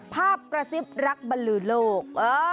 กระซิบรักบรรลือโลก